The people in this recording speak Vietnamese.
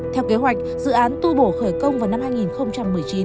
theo kế hoạch dự án tu bổ khởi công vào năm hai nghìn một mươi chín